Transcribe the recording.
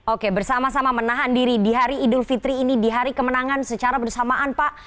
oke bersama sama menahan diri di hari idul fitri ini di hari kemenangan secara bersamaan pak